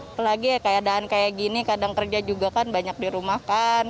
apalagi keadaan kayak gini kadang kerja juga kan banyak dirumahkan